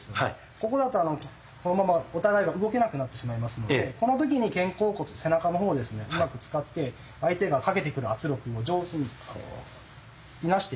ここだとこのままお互いが動けなくなってしまいますのでこの時に肩甲骨背中の方をですねうまく使って相手がかけてくる圧力を上手にこういなしていく。